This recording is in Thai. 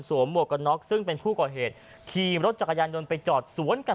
หมวกกันน็อกซึ่งเป็นผู้ก่อเหตุขี่รถจักรยานยนต์ไปจอดสวนกัน